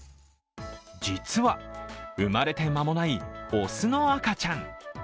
実は、生まれて間もない雄の赤ちゃん。